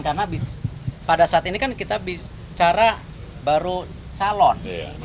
karena pada saat ini kan kita bicara baru calon